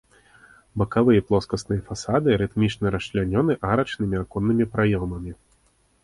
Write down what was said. Бакавыя плоскасныя фасады рытмічна расчлянёны арачнымі аконнымі праёмамі.